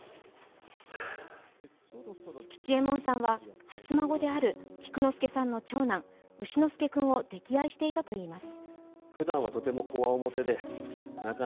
吉右衛門さんは初孫である菊之助さんの長男丑之助君を溺愛していたといいます。